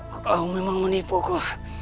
kau memang menipuku